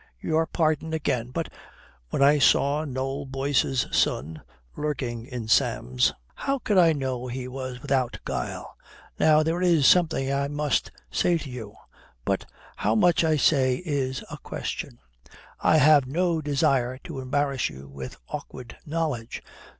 Your pardon again. But when I saw Noll Boyce's son lurking in Sam's, how could I know he was without guile? Now there is something I must say to you. But how much I say is a question. I have no desire to embarrass you with awkward knowledge.